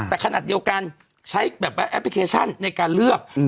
แต่ขนาดเดียวกันใช้แบบว่าแอปพลิเคชันในการเลือก